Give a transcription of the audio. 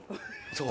そう。